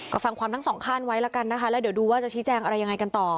ก็ฟังความทั้งสองข้างไว้แล้วกันนะคะแล้วเดี๋ยวดูว่าจะชี้แจงอะไรยังไงกันต่อ